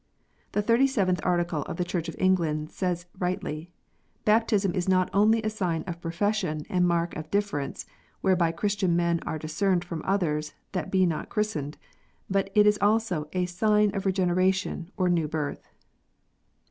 The Twenty seventh Article of the Church of England says rightly, " Baptism is not only a sign of profession and mark of difference, whereby Christian men are discerned from others that be not christened, but it is also a sign of regeneration or new birth."